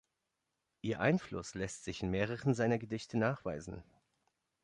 Ihr Einfluss lässt sich in mehreren seiner Gedichte nachweisen.